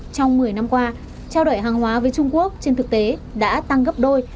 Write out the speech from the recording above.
trong một mươi năm qua trao đổi hàng hóa với trung quốc trên thực tế đã tăng gấp đôi